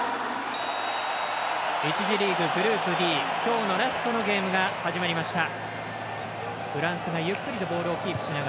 １次リーグ、グループＤ今日のラストのゲームが始まりました。